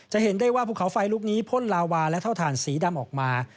เห็นได้ว่าภูเขาไฟลุกนี้พ่นลาวาและเท่าฐานสีดำออกมา